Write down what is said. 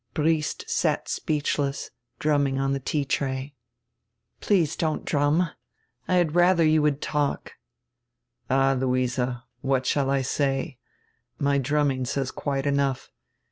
Briest sat speechless, drumming on die tea tray. "Please don't drum, I had radier you would talk." "All, Luise, what shall I say? My drumming says quite enough.